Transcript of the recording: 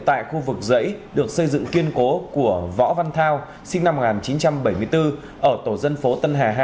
tại khu vực dãy được xây dựng kiên cố của võ văn thao sinh năm một nghìn chín trăm bảy mươi bốn ở tổ dân phố tân hà hai